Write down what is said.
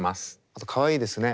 あとかわいいですね。